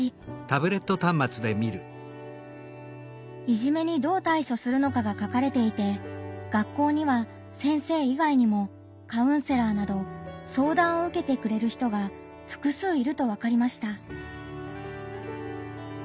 いじめにどう対処するのかが書かれていて学校には先生以外にもカウンセラーなど相談を受けてくれる人が複数いるとわかりました。